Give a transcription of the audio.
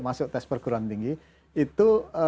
masuk tes perguruan tinggi itu